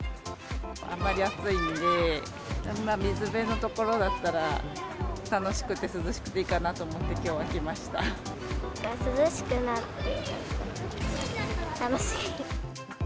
あんまり暑いんで、水辺の所だったら、楽しくて、涼しくていいかなと思って、きょうは来まし涼しくなって楽しい。